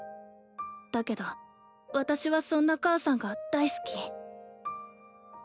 だけど私はそんな母さんが大好き。